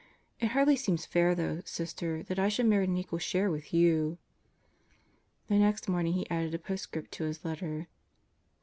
It hardly seems fair though, Sister, that I should merit an equal share with you. The next morning he added a postscript to his letter.